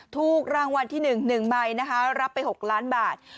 ถูกรางวัลที่หนึ่งหนึ่งใบนะคะรับไปหกล้านบาท